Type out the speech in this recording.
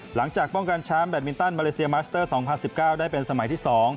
หลังจากป้องกันแชมป์แบตมินตันมาเลเซียมัสเตอร์๒๐๑๙ได้เป็นสมัยที่๒